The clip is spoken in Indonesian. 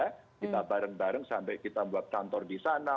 kita bareng bareng sampai kita buat kantor di sana